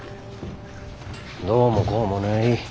どうもこうもない。